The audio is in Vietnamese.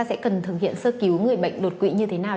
các bệnh nhân cần thực hiện sơ cứu người bệnh đột quỵ như thế nào